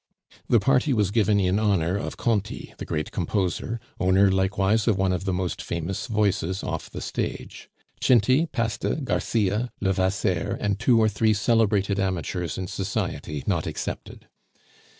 The party was given in honor of Conti, the great composer, owner likewise of one of the most famous voices off the stage, Cinti, Pasta, Garcia, Levasseur, and two or three celebrated amateurs in society not excepted.